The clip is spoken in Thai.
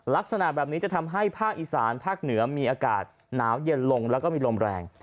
ลักษณะแบบนี้จะทำให้ภาคอีสานภาคเหนือมีอากาศหนาวเย็นลงแล้วก็มีลมแรง